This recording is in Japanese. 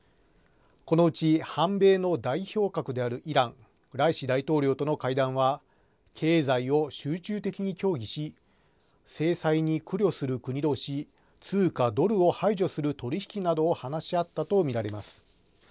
このうち、反米の代表格であるイラン、ライシ大統領との会談は経済を集中的に協議し制裁に苦慮する国どうし通貨ドルを排除する取り引きなどを話し合ったと見られます。